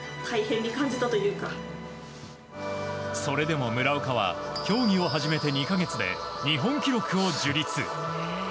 それでも村岡は競技を始めて２か月で日本記録を樹立。